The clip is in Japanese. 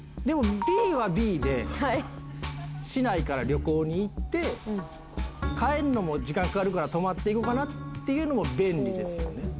でもＢはＢで市内から旅行に行って帰るのも時間かかるから泊まって行こうかなっていうのも便利ですよね。